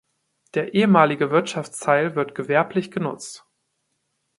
Der ehemalige Wirtschaftsteil wird gewerblich genutzt.